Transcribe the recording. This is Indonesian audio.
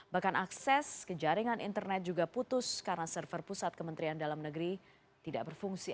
bahkan akses ke jaringan internet juga putus karena server pusat kementerian dalam negeri tidak berfungsi